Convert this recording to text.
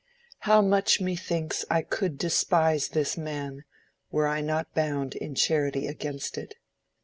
How much, methinks, I could despise this man Were I not bound in charity against it!